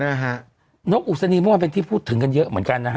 น้องอุศนีม่อนเป็นที่พูดถึงกันเยอะเหมือนกัน